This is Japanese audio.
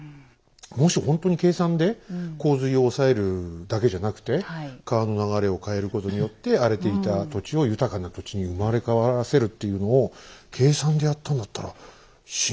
もしほんとに計算で洪水を抑えるだけじゃなくて川の流れを変えることによって荒れていた土地を豊かな土地に生まれ変わらせるっていうのを計算でやったんだったら信玄すごいね。